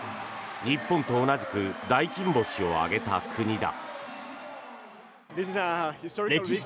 日本と同じく大金星を挙げた国だ。